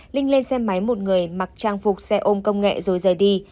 linh lên xe máy một người mặc trang phục xe ôm công nghệ rồi rời đi